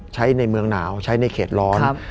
ใช้ในเมืองหนาวใช้ในเขตร้อน